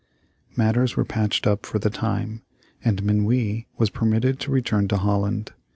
Matters were patched up for the time, and Minuit was permitted to return to Holland.